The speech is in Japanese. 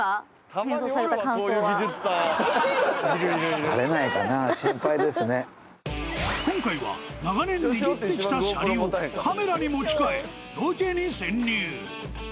変装された感想は今回は長年にぎってきたシャリをカメラに持ち替えロケに潜入